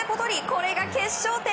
これが決勝点。